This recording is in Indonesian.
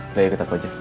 udah yuk ketaku aja